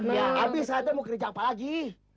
ya abis saatnya mau kerja apa lagi